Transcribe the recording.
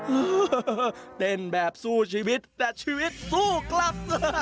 เออเต้นแบบสู้ชีวิตแต่ชีวิตสู้กลับ